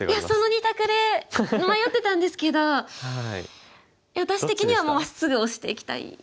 その２択で迷ってたんですけど私的にはもうまっすぐオシていきたい。